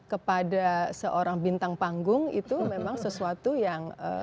kepada seorang bintang panggung itu memang sesuatu yang